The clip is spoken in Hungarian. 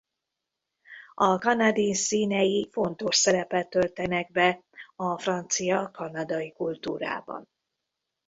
A Canadiens színei fontos szerepet töltenek be a francia kanadai kultúrában.